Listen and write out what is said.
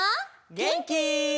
げんき？